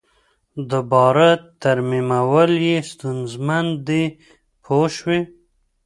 دوباره ترمیمول یې ستونزمن دي پوه شوې!.